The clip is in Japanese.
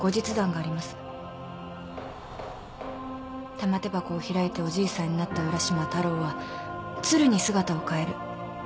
玉手箱を開いておじいさんになった浦島太郎は鶴に姿を変える。